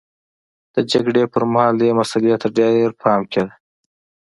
د جګړې پرمهال دې مسئلې ته ډېر پام کېده.